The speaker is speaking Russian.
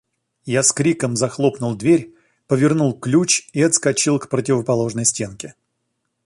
Я с криком захлопнул дверь, повернул ключ и отскочил к противоположной стенке.